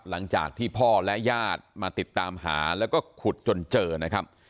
หลังจากที่พ่อและญาติมาติดตามหาแล้วก็ขุดจนเจอนะครับ